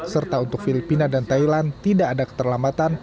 serta untuk filipina dan thailand tidak ada keterlambatan